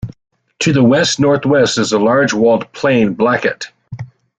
To the west-northwest is the large walled plain Blackett.